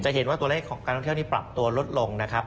เห็นว่าตัวเลขของการท่องเที่ยวนี้ปรับตัวลดลงนะครับ